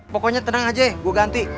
pokoknya tenang aja gue ganti